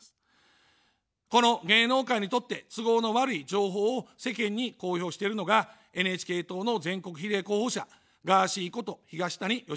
この、芸能界にとって都合の悪い情報を世間に公表しているのがＮＨＫ党の全国比例候補者ガーシーこと東谷義和です。